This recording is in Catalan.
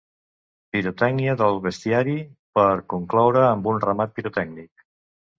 Pirotècnia del bestiari, per concloure amb un remat pirotècnic.